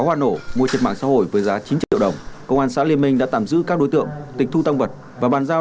vừa bị lực lượng công an phát hiện bắt giữ